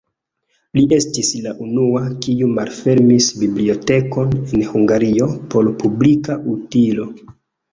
Li estis la unua, kiu malfermis bibliotekon en Hungario por publika utilo.